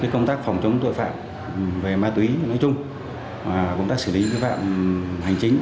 công tác phòng chống tội phạm về ma túy nói chung công tác xử lý tội phạm hành chính